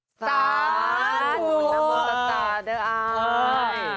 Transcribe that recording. สาธารณ์บุญละเมิดต่างด้วย